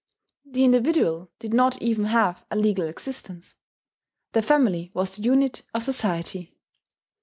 The individual did not even have a legal existence; the family was the unit of society.